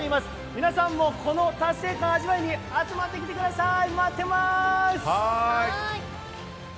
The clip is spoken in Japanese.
皆さんもこの達成感を味わいに集まってきてください。